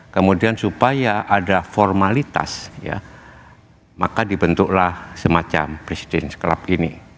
kemudian supaya ada formalitas maka dibentuklah semacam presiden club ini